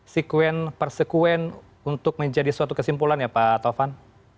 sekuen per sekuen untuk menjadi suatu kesimpulan ya pak tovan